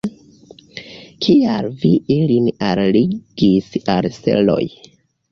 Kial vi ilin alligis al seloj?